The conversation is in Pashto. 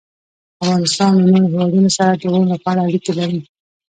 افغانستان له نورو هېوادونو سره د غرونو په اړه اړیکې لري.